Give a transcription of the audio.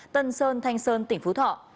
tân sơn thanh sơn tỉnh phú thọ